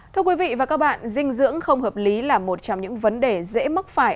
thưa quý vị và các bạn dinh dưỡng không hợp lý là một trong những vấn đề dễ mắc phải